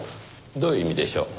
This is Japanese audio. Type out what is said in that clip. どういう意味でしょう？